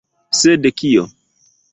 Sed kio?